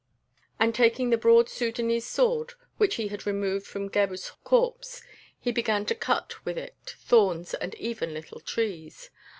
And taking the broad Sudânese sword, which he had removed from Gebhr's corpse, he began to cut with it thorns and even little trees.